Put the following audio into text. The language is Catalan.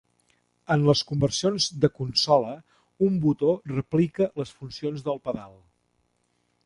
En les conversions de consola, un botó replica les funcions del pedal.